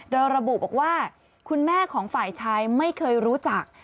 โดยระบุบอกว่าคุณแม่ของฝ่ายชายไม่เคยรู้จัก